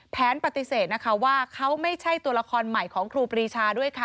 ปฏิเสธนะคะว่าเขาไม่ใช่ตัวละครใหม่ของครูปรีชาด้วยค่ะ